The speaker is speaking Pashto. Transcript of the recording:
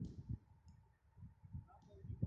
وړ مېرمنه هم ټاکل شوې وه.